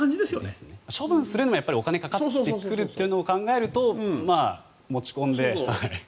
処分するのにもお金がかかってくるというのを考えると持ち込んで。